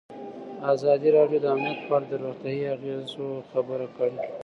ازادي راډیو د امنیت په اړه د روغتیایي اغېزو خبره کړې.